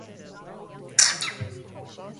An American version of the show is made for Fox.